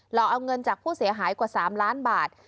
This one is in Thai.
อกเอาเงินจากผู้เสียหายกว่า๓ล้านบาท